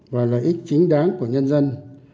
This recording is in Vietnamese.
và lợi ích chính đáng của nhân dân